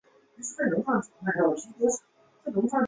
构图简单